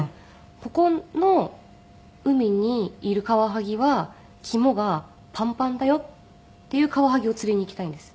「ここの海にいるカワハギは肝がパンパンだよ」っていうカワハギを釣りに行きたいんです。